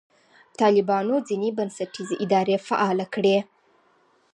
طالبانو ځینې بنسټیزې ادارې فعاله کړې.